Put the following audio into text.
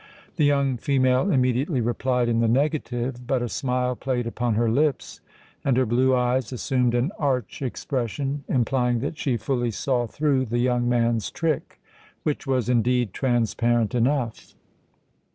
The young female immediately replied in the negative; but a smile played upon her lips, and her blue eyes assumed an arch expression, implying that she fully saw through the young man's trick, which was indeed transparent enough.